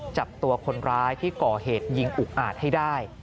จับตัวคนร้ายที่ก่อเหตุยิงอุกอาจให้ได้